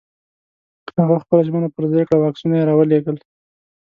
هغه خپله ژمنه پر ځای کړه او عکسونه یې را ولېږل.